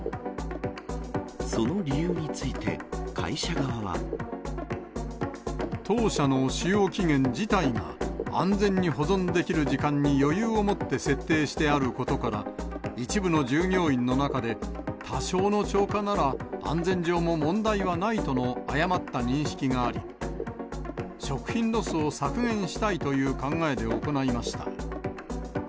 その理由について、当社の使用期限自体が、安全に保存できる時間に余裕を持って設定してあることから、一部の従業員の中で、多少の超過なら安全上も問題はないとの誤った認識があり、食品ロスを削減したいという考えで行いました。